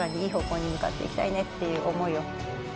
向かっていきたいねっていう思いを。